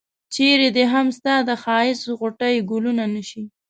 چرې دي هم ستا د ښایست غوټۍ ګلونه نه شي.